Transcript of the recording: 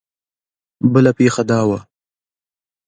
بله پېښه دا وه.